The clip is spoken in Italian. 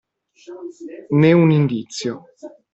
Né un indizio.